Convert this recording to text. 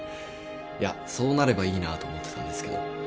いやそうなればいいなと思ってたんですけど。